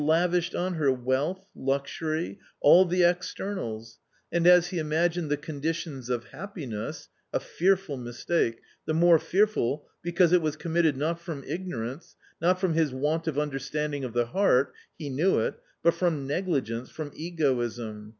lavishedjaxj^r weateTTuxuiv, alTthe externals, "and as he ^i inttrffffift tfrf> ~mnHitinng of__hapj)iness — a fearful "rinsfafce; v " ~p the more fearful, because it was committed . not from ignorance, not from his want of understanding of the heart — he knew it — but from negligence, from egoism